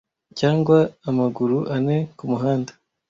cyangwa amaguru ane kumuhanda